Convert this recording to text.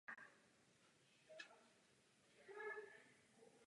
Možné je použít i len.